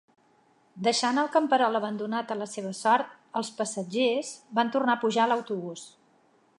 Deixant el camperol abandonat a la seva sort, els passatgers van tornar a pujar a l'autobús.